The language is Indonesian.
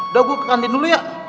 udah gue ke kantin dulu ya